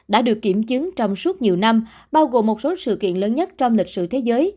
đã được kiểm chứng trong suốt nhiều năm bao gồm một số sự kiện lớn nhất trong lịch sử thế giới